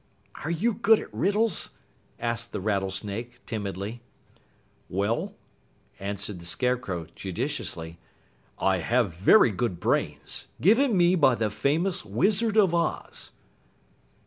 "Are you good at riddles?" asked the Rattlesnake timidly. "Well," answered the Scarecrow judiciously, "I have very good brains, given me by the famous Wizard of Oz."